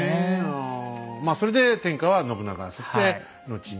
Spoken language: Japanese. まあそれで天下は信長そして後に。